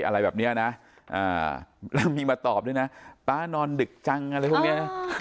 อะไรแบบนี้นะแล้วมีมาตอบด้วยนะป๊านอนดึกจังอะไรพวกนี้นะ